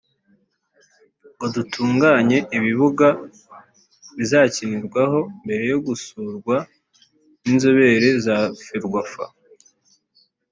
ngo dutunganye ibibuga bizakinirwaho mbere yo gusurwa n’inzobere za Ferwafa